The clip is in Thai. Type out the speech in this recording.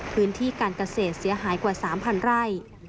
พื้นที่การเกษตรเสียหายกว่า๓๐๐ไร่